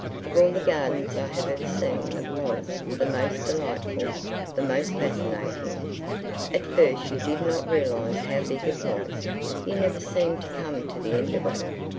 Of all the gardens I have ever seen that was the most delightful, the most fascinating. At first you did not realize how big it was. You never seemed to come to the end of it.